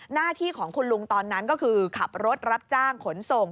หน้าที่ของคุณลุงตอนนั้นก็คือขับรถรับจ้างขนส่ง